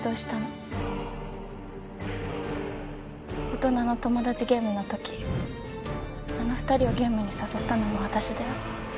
大人のトモダチゲームの時あの２人をゲームに誘ったのも私だよ。